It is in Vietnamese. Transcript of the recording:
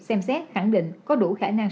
xem xét khẳng định có đủ khả năng